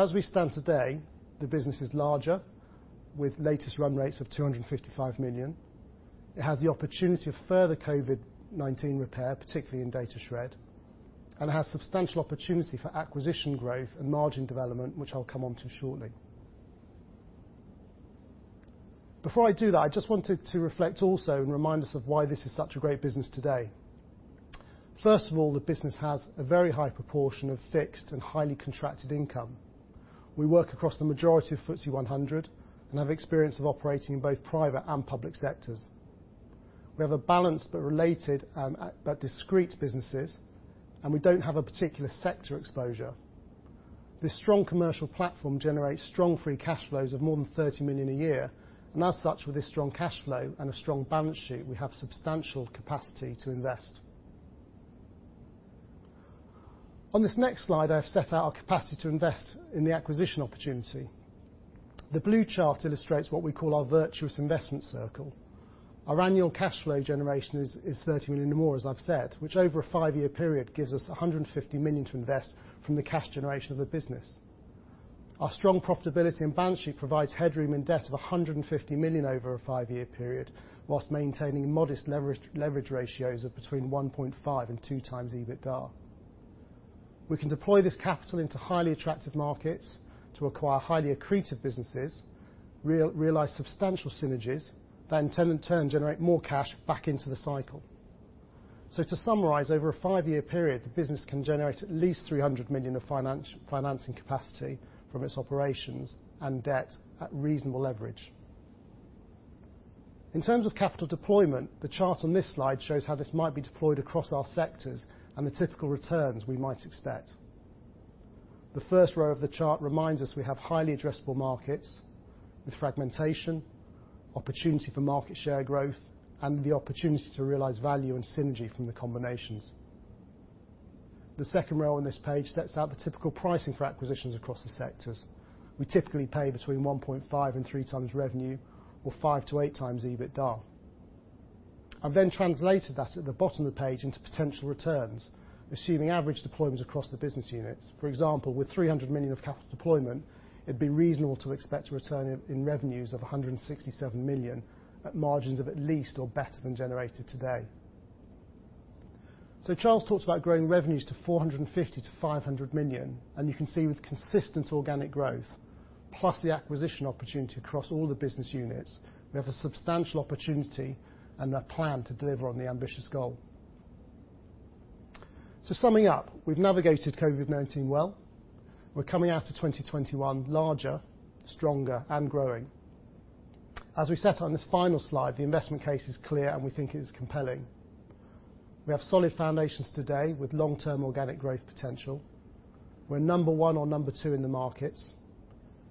As we stand today, the business is larger, with latest run rates of 255 million. It has the opportunity of further COVID-19 repair, particularly in Datashred, and it has substantial opportunity for acquisition growth and margin development, which I'll come on to shortly. Before I do that, I just wanted to reflect also and remind us of why this is such a great business today. First of all, the business has a very high proportion of fixed and highly contracted income. We work across the majority of FTSE 100 and have experience of operating in both private and public sectors. We have a balanced but related, but discrete businesses, and we don't have a particular sector exposure. This strong commercial platform generates strong free cash flows of more than 30 million a year. As such, with this strong cash flow and a strong balance sheet, we have substantial capacity to invest. On this next slide, I've set out our capacity to invest in the acquisition opportunity. The blue chart illustrates what we call our virtuous investment circle. Our annual cash flow generation is thirty million or more, as I've said, which over a 5-year period gives us 150 million to invest from the cash generation of the business. Our strong profitability and balance sheet provides headroom and debt of 150 million over a 5-year period, while maintaining modest leverage ratios of between 1.5 and 2x EBITDA. We can deploy this capital into highly attractive markets to acquire highly accretive businesses, realize substantial synergies that in turn generate more cash back into the cycle. To summarize, over a 5-year period, the business can generate at least 300 million of financing capacity from its operations and debt at reasonable leverage. In terms of capital deployment, the chart on this slide shows how this might be deployed across our sectors and the typical returns we might expect. The first row of the chart reminds us we have highly addressable markets with fragmentation, opportunity for market share growth, and the opportunity to realize value and synergy from the combinations. The second row on this page sets out the typical pricing for acquisitions across the sectors. We typically pay between 1.5x and 3x revenue or 5x-8x EBITDA. I've then translated that at the bottom of the page into potential returns, assuming average deployment across the business units. For example, with 300 million of capital deployment, it'd be reasonable to expect a return in revenues of 167 million at margins of at least or better than generated today. Charles talked about growing revenues to 450 million-500 million, and you can see with consistent organic growth, plus the acquisition opportunity across all the business units, we have a substantial opportunity and a plan to deliver on the ambitious goal. Summing up, we've navigated COVID-19 well. We're coming out of 2021 larger, stronger, and growing. As we set on this final slide, the investment case is clear, and we think it is compelling. We have solid foundations today with long-term organic growth potential. We're number one or number two in the markets.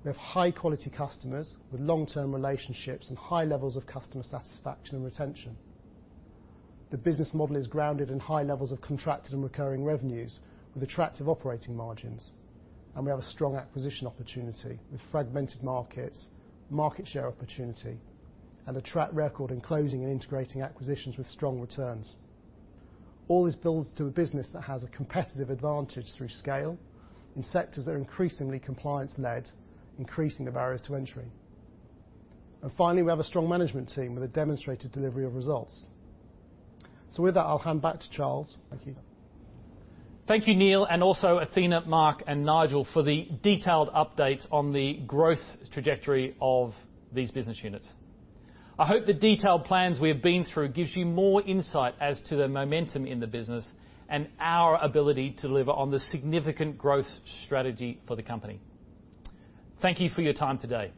We have high-quality customers with long-term relationships and high levels of customer satisfaction and retention. The business model is grounded in high levels of contracted and recurring revenues with attractive operating margins. We have a strong acquisition opportunity with fragmented markets, market share opportunity, and a track record in closing and integrating acquisitions with strong returns. All this builds to a business that has a competitive advantage through scale in sectors that are increasingly compliance led, increasing the barriers to entry. Finally, we have a strong management team with a demonstrated delivery of results. With that, I'll hand back to Charles. Thank you. Thank you, Neil, and also Athena, Mark, and Nigel for the detailed updates on the growth trajectory of these business units. I hope the detailed plans we have been through gives you more insight as to the momentum in the business and our ability to deliver on the significant growth strategy for the company. Thank you for your time today.